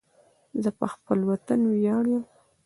زه پر خپل وطن ویاړم